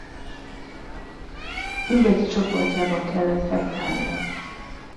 Nyugati csoportjában kellett helytállnia.